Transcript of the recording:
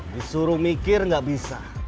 disuruh mikir gak bisa